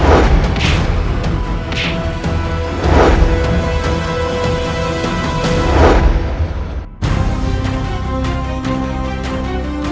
apalagi seorang perempuan